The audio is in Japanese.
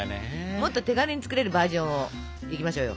もっと手軽に作れるバージョンをいきましょうよ！